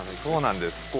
そうなんです。